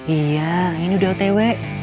iya ini udah otw